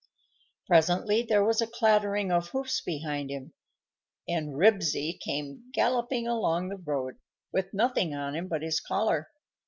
Presently there was a clattering of hoofs behind him, and Ribsy came galloping along the road, with nothing on him but his collar.